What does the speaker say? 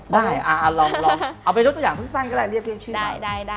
ได้เอาไปดูหนัวอย่างส้มที่สั้นก็เลยเรียกชื่นมา